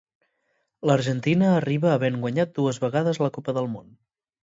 L'Argentina arriba havent guanyat dues vegades la Copa del Món.